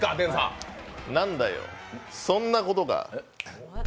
なんだよ、そんなことか。